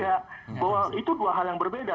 bahwa itu dua hal yang berbeda